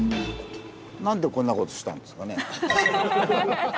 なんでこんな事したんですかね？